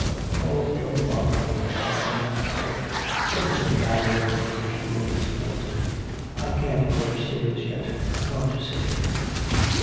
'Oh, don't bother me about the dinner, Harold. What does it matter if it is a few minutes late. I can't go upstairs yet. I want to sit here.'